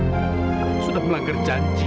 kamu sudah melanggar janji